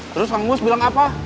terus kang mus bilang apa